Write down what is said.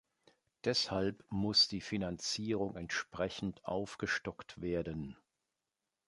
Deshalb muss die Finanzierung entsprechend aufgestockt werden.